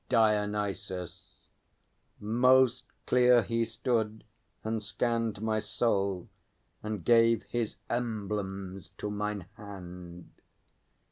DIONYSUS. Most clear he stood, and scanned My soul, and gave his emblems to mine hand.